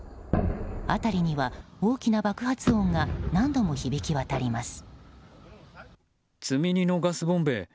辺りには大きな爆発音が何度も響き渡ります。